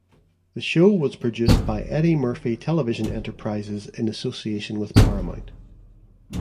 The show was produced by Eddie Murphy Television Enterprises in association with Paramount.